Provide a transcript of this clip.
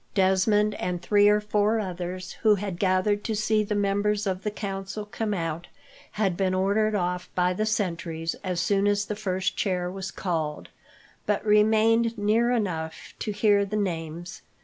Desmond and three or four others, who had gathered to see the members of the council come out, had been ordered off by the sentries as soon as the first chair was called, but remained near enough to hear the names.